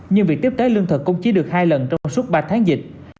nhưng việc tiếp tế lương thực cũng chỉ được hai lần trong suốt ba tháng dịch